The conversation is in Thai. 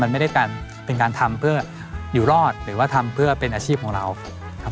มันไม่ได้การเป็นการทำเพื่ออยู่รอดหรือว่าทำเพื่อเป็นอาชีพของเราครับ